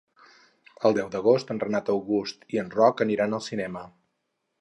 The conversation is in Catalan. El deu d'agost en Renat August i en Roc aniran al cinema.